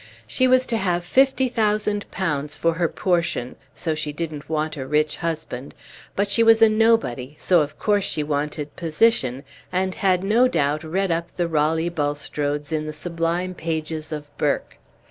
She was to have fifty thousand pounds for her portion, so she didn't want a rich husband; but she was a nobody, so of course she wanted position, and had no doubt read up the Raleigh Bulstrodes in the sublime pages of Burke.